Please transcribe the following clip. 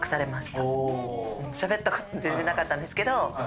しゃべったこと全然なかったんですけど。